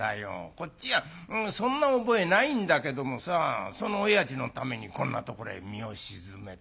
こっちはそんな覚えないんだけどもさそのおやじのためにこんなところへ身を沈めて。